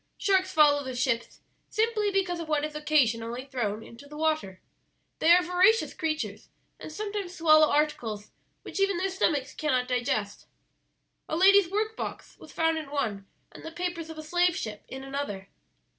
Sharks follow the ships simply because of what is occasionally thrown into the water. They are voracious creatures, and sometimes swallow articles which even their stomachs cannot digest. A lady's work box was found in one, and the papers of a slave ship in another."